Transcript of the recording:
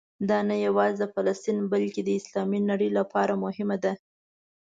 دا نه یوازې د فلسطین بلکې د اسلامي نړۍ لپاره مهمه ده.